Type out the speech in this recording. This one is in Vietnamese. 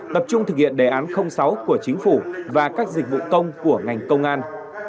tập trung thực hiện đề án sáu của chính phủ và các dịch vụ công của ngành công an